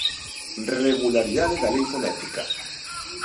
Regularidade da lei fonética.